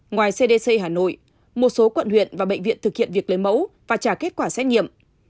ngoài cdc hà nội một số quận huyện và bệnh viện thực hiện việc lấy mẫu và trả kết quả xét nghiệm